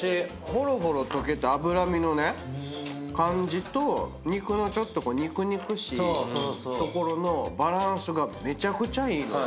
ほろほろ解けた脂身の感じと肉のちょっと肉々しいところのバランスがめちゃくちゃいいのよ。